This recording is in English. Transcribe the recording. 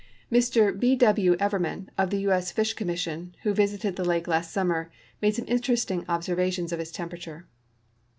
Mr B. W. Evermann, of the U. S. Fish Commission, who vis ited the lake last summer, made some interesting observations of its temperature.